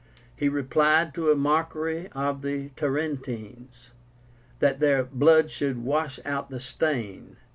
He replied to the mockery of the Tarentines, that their blood should wash out the stain.